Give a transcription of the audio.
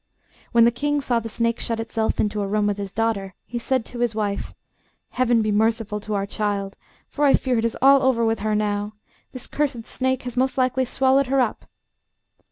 When the King saw the snake shut itself into a room with his daughter, he said to his wife, 'Heaven be merciful to our child, for I fear it is all over with her now. This cursed snake has most likely swallowed her up.